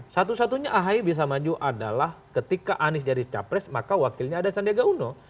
satu satunya ahy bisa maju adalah ketika anies jadi capres maka wakilnya ada sandiaga uno